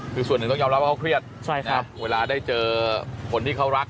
คือส่วนหนึ่งต้องยอมรับว่าเขาเครียดนะครับเวลาได้เจอคนที่เขารัก